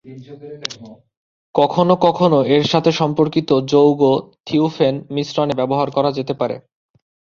কখনও কখনও এর সাথে সম্পর্কিত যৌগ, থিওফেন, মিশ্রণে ব্যবহার করা যেতে পারে।